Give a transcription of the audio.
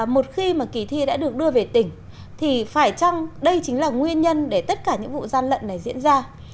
một khi mà kỳ thi đã được đưa về tỉnh thì phải chăng đây chính là nguyên nhân để tất cả những vụ gian lận này diễn ra